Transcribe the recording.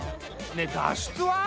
ねえ脱出は？